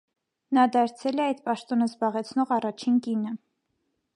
Նա դարձել է այդ պաշտոնը զբաղեցնող առաջին կինը։